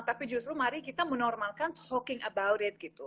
tapi justru mari kita menormalkan talking about it gitu